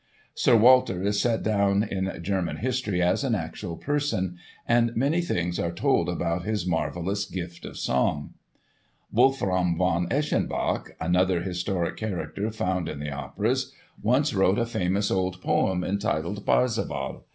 Sir Walter is set down in German history as an actual person, and many things are told about his marvellous gift of song. Wolfram von Eschenbach—another historic character found in the operas—once wrote a famous old poem entitled "Parzival."